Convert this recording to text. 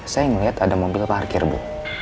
saya melihat ada mobil parkir bu